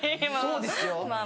そうですよ。